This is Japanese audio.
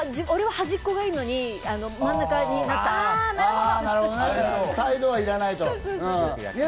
俺は端っこがいいのに、サイドはいらないと。